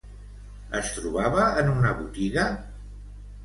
Es trobava en una botiga?